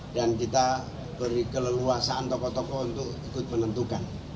kita beri keleluasaan tokoh tokoh untuk ikut menentukan